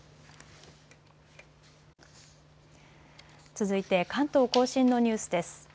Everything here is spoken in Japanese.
続いて関東甲信のニュースです。